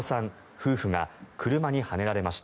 夫婦が車にはねられました。